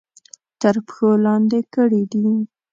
تر پښو لاندې کړي دي.